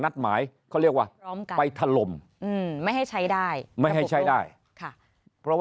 นัดหมายเขาเรียกว่าไปถล่มไม่ให้ใช้ได้ไม่ให้ใช้ได้ค่ะเพราะว่า